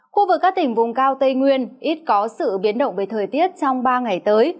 khu vực các tỉnh vùng cao tây nguyên ít có sự biến động về thời tiết trong ba ngày tới